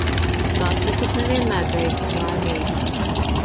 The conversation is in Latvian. Pasakas ne vienmēr beidzas laimīgi